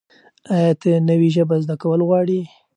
ایا ته نوې ژبه زده کول غواړې؟